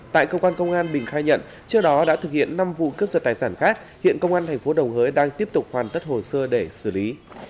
tại cơ quan công an bình khai nhận trước đó đã thực hiện năm vụ cướp giật tài sản khác hiện công an thành phố đồng hới đang tiếp tục hoàn tất hồ sơ để xử lý